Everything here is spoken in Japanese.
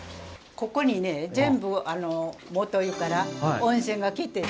ここにね全部あの元湯から温泉が来て。